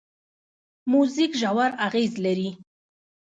موزیک ژور اغېز لري.